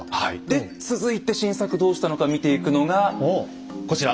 で続いて晋作どうしたのか見ていくのがこちら